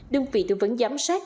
đương vị tư vấn giám sát